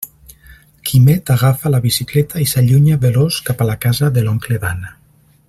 Quimet agafa la bicicleta i s'allunya veloç cap a la casa de l'oncle d'Anna.